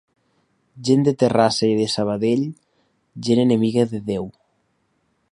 Gent de Terrassa i de Sabadell, gent enemiga de Déu.